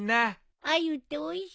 アユっておいしいよね。